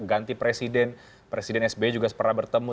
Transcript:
ganti presiden presiden sbi juga pernah bertemu